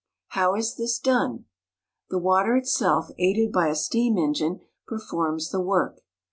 How is this done ? The water itself, aided by a steam engine, performs the work.